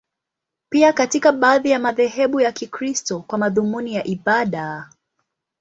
Pia katika baadhi ya madhehebu ya Kikristo, kwa madhumuni ya ibada.